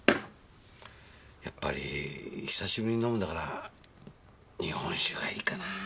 やっぱり久しぶりに飲むんだから日本酒がいいかなぁ？